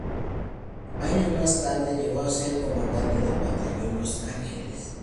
Años más tarde llegó a ser Comandante del batallón Los Ángeles.